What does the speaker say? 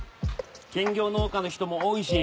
兼業農家の人も多いし